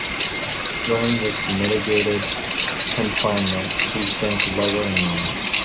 During this mitigated confinement he sank lower and lower.